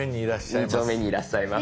２丁目にいらっしゃいます。